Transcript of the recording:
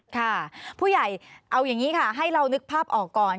ค่ะผู้ใหญ่เอาอย่างนี้ค่ะให้เรานึกภาพออกก่อน